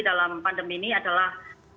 dalam pandemi ini adalah